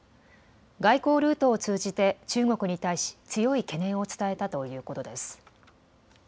外交ルートを通じて中国に対し強い懸念を伝えたということです。